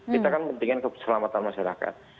kita kan pentingkan keselamatan masyarakat